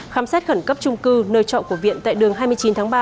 khám xét khẩn cấp trung cư nơi trọ của viện tại đường hai mươi chín tháng ba